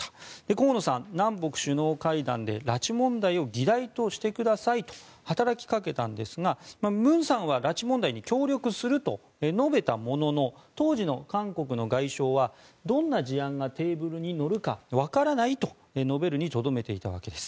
河野さん、南北首脳会談で拉致問題を議題としてくださいと働きかけたんですが文さんは拉致被害に協力すると述べたものの当時の韓国の外相はどんな事案がテーブルに乗るかわからないと述べるにとどめていたわけです。